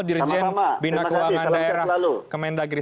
dirjen bina keuangan daerah kemendagri